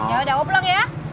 ya udah aku pulang ya